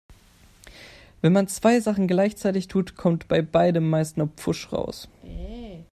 Wenn man zwei Sachen gleichzeitig tut, kommt bei beidem meistens nur Pfusch raus.